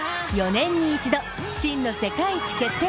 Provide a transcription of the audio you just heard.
４年に一度、真の世界一決定